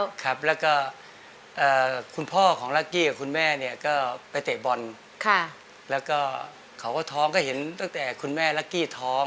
แล้วก็คุณพ่อของลักกี้กับคุณแม่เนี่ยก็ไปเตะบอลแล้วก็เขาก็ท้องก็เห็นตั้งแต่คุณแม่ลักกี้ท้อง